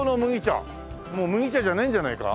もう麦茶じゃないんじゃないか？